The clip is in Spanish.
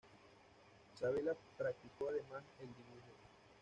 Sabella practicó además el dibujo.